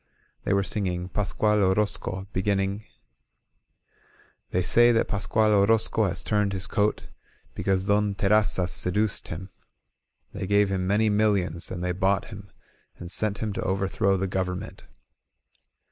They were singing "Pascual Orozco," beginning: They say that Pasctud Orozco has turned his coat Because Don Terrazzas seduced him; They gave him many millions and they bought him And sent him to overthrow the government.